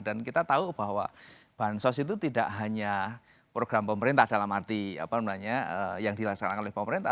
dan kita tahu bahwa bansos itu tidak hanya program pemerintah dalam arti yang dilaksanakan oleh pemerintah